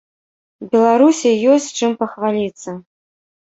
Беларусі ёсць чым пахваліцца.